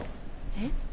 えっ？